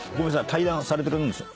対談されてるんですよね？